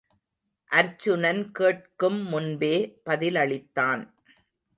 அர்ச்சுனன் கேட்கும்முன்பே பதிலளித்தான்.